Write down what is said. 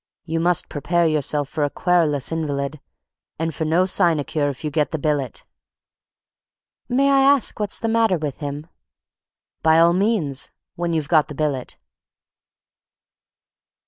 You must prepare yourself for a querulous invalid, and for no sinecure if you get the billet." "May I ask what's the matter with him?" "By all means—when you've got the billet."